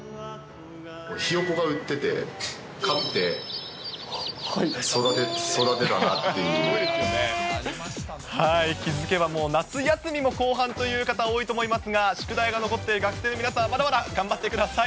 ひよこが売ってて、買って、気付けばもう夏休みも後半という方、多いと思いますが、宿題が残っている学生の皆さん、まだまだ頑張ってください。